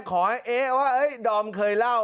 ขอให้เอ๊ะว่าดอมเคยเล่า